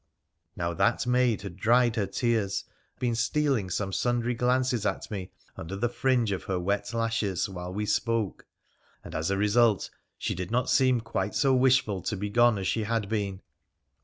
Now that maid had dried her tears, and had been stealing some sundry glances at me under the fringe of her wet lashes while we spoke, and as a result she did not seem quite so wishful to be gone as she had been.